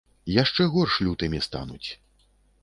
Яшчэ горш лютымі стануць.